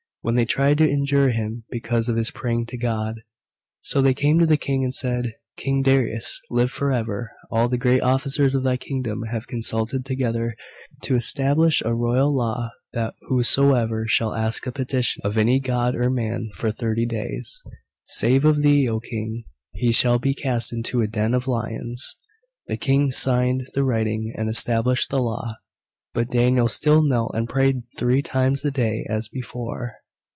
Then they tried to injure him because of his praying to God. So they came to the King, and said, "King Darius live for ever: all the great officers of thy kingdom have consulted together to establish a royal law, that whosoever shall ask a petition of any god or man for thirty days, save of thee, O King, he shall be cast into a den of lions." The King signed the writing and established the law. But Daniel still knelt and prayed three times a day as before.